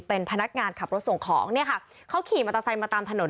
เป็นพนักงานขับรถส่งของเนี่ยค่ะเขาขี่มอเตอร์ไซค์มาตามถนน